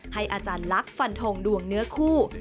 อาจารย์ลักษณ์ฟันทงดวงเนื้อคู่